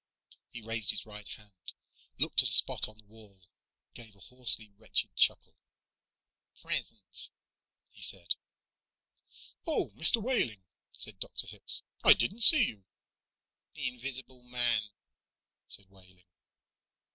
He raised his right hand, looked at a spot on the wall, gave a hoarsely wretched chuckle. "Present," he said. "Oh, Mr. Wehling," said Dr. Hitz, "I didn't see you." "The invisible man," said Wehling.